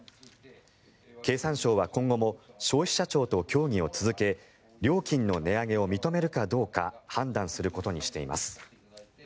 経産省は今後も消費者庁と協議を続け料金の値上げを認めるかどうか判断することにしています。